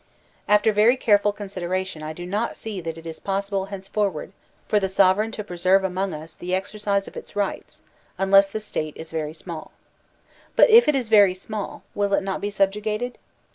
After very careful consideration I do not see that it is possible henceforward for the sovereign to pre serve among us the exercise of its rights tmless the State is very small. But if it is very small, will it not be subjugated?